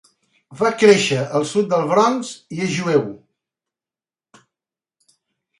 Va créixer al sud del Bronx, i és jueu.